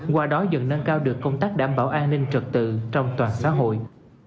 qua đó dần nâng cao được công tác đảm bảo an ninh trật tự trong toàn xã hội